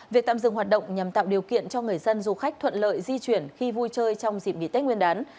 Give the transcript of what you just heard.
việc tạm dừng hoạt động nhằm tạo điều kiện cho người dân du khách thuận lợi di chuyển khi vui chơi trong dịp nghỉ tết nguyên đán